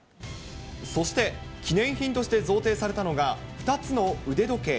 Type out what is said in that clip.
そして、記念品として贈呈されたのが、２つの腕時計。